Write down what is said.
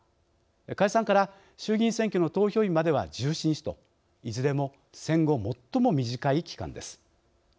解散から衆議院選挙の投票日までは１７日といずれも戦後最も短い期間です。